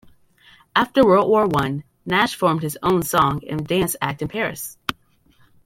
After World War One, Naish formed his own song and dance act in Paris.